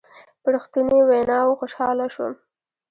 په رښتنوني ویناوو خوشحاله شوم.